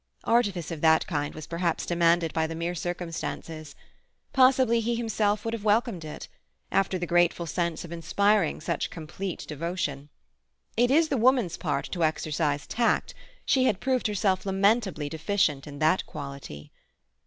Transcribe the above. Artifice of that kind was perhaps demanded by the mere circumstances. Possibly he himself would have welcomed it—after the grateful sense of inspiring such complete devotion. It is the woman's part to exercise tact; she had proved herself lamentably deficient in that quality.